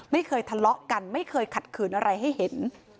ไม่เคยทะเลาะกันไม่เคยขัดขืนอะไรให้เห็น